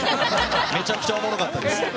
めちゃくちゃおもろかったです。